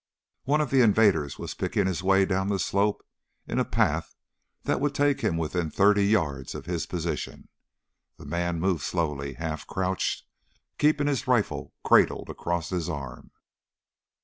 One of the invaders was picking his way down the slope in a path that would take him within thirty yards of his position. The man moved slowly, half crouched, keeping his rifle cradled across his arm.